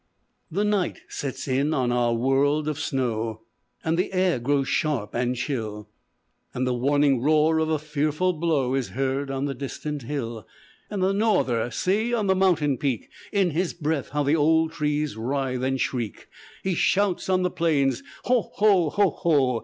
"The night sets in on a world of snow, And the air grows sharp and chill, And the warning roar of a fearful blow Is heard on the distant hill. And the Norther! See! On the mountain peak, In his breath, how the old trees writhe and shriek! He shouts on the plains, Ho ho! Ho ho!